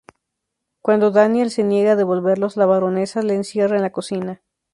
Cuando Danielle se niega a devolverlos, la Baronesa la encierra en la cocina.